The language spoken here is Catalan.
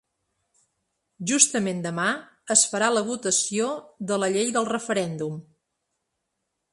Justament demà es farà la votació de la llei del referèndum.